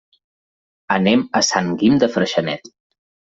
Anem a Sant Guim de Freixenet.